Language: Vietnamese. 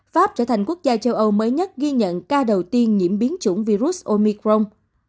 pháp trở thành quốc gia châu âu mới nhất ghi nhận ca đầu tiên nhiễm biến chủng virus omicron